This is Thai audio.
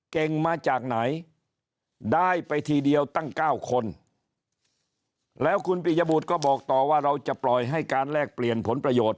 เก่งมาจากไหนได้ไปทีเดียวตั้ง๙คนแล้วคุณปียบุตรก็บอกต่อว่าเราจะปล่อยให้การแลกเปลี่ยนผลประโยชน์